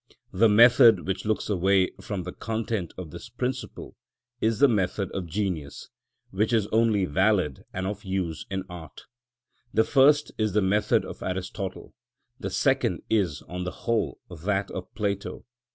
The method which looks away from the content of this principle is the method of genius, which is only valid and of use in art. The first is the method of Aristotle; the second is, on the whole, that of Plato.